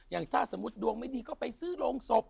อย่างถ้าสมมุติดวงไม่ดีก็ไปซื้อโรงศพ